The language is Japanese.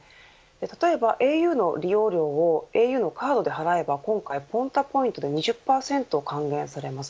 例えばａｕの利用料をａｕのカードで払えば今回Ｐｏｎｔａポイントで２０％還元されます。